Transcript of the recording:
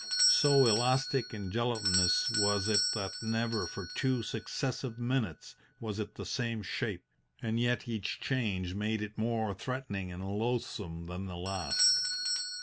So elastic and gelatinous was it that never for two successive minutes was it the same shape, and yet each change made it more threatening and loathsome than the last.